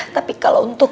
tapi kalau untuk